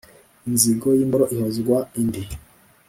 Inzigo y’imboro ihozwa indi.